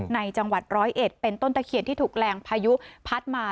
จังหวัดร้อยเอ็ดเป็นต้นตะเคียนที่ถูกแรงพายุพัดมา